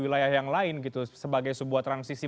wilayah yang lain gitu sebagai sebuah transisi